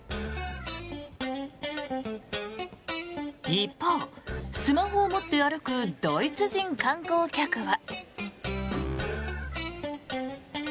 一方、スマホを持って歩くドイツ人観光客は。